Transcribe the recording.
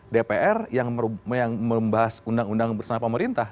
dpr yang membahas undang undang bersama pemerintah